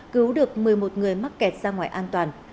cứu được một mươi một người mắc kẹt ra ngoài an toàn